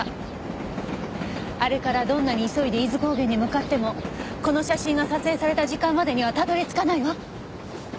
あれからどんなに急いで伊豆高原に向かってもこの写真が撮影された時間までにはたどり着かないわ。